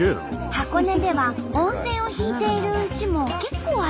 箱根では温泉を引いているうちも結構あるんだって。